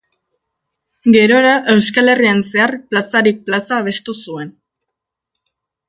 Gerora Euskal Herrian zehar plazarik plaza abestu zuen.